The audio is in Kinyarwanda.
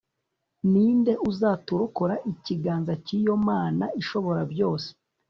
ni nde uzaturokora ikiganza cy'iyo mana ishobora byose